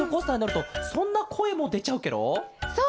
そう。